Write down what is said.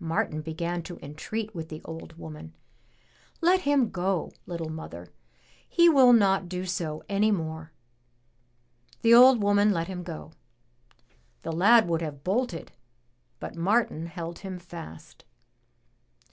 Martin began to entreat with the old woman. "Let him go, little mother; he will not do so any more." The old woman let him go. The lad would have bolted, but Martin held him fast.